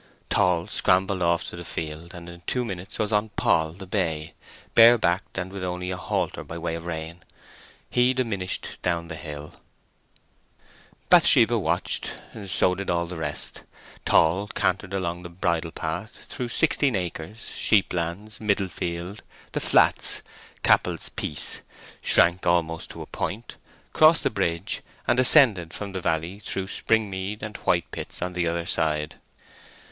Tall scrambled off to the field, and in two minutes was on Poll, the bay, bare backed, and with only a halter by way of rein. He diminished down the hill. Bathsheba watched. So did all the rest. Tall cantered along the bridle path through Sixteen Acres, Sheeplands, Middle Field, The Flats, Cappel's Piece, shrank almost to a point, crossed the bridge, and ascended from the valley through Springmead and Whitepits on the other side.